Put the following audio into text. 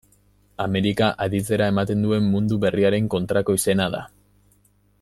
Amerika aditzera ematen duen Mundu Berriaren kontrako izena da.